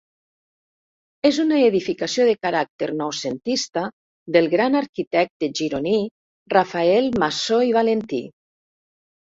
És una edificació de caràcter noucentista del gran arquitecte gironí Rafael Masó i Valentí.